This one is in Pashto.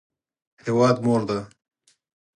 هیواد مور ده